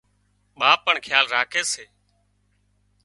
ٻاپ پڻ کيال راکي سي